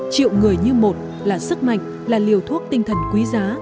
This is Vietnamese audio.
triệu người như một là sức mạnh là liều thuốc tinh thần quý giá